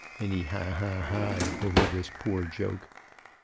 And he ha hahed over this poor joke.